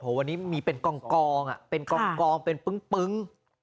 วันนี้มีเป็นกองเป็นกองเป็นปึ้ง